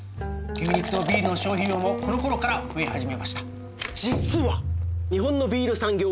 牛肉とビールの消費量もこのころから増え始めました。